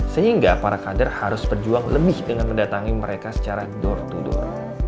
sehingga para kader harus berjuang lebih dengan mendatangi mereka secara door to door